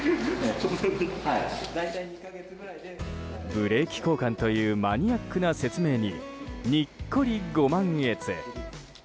ブレーキ交換というマニアックな説明ににっこりご満悦。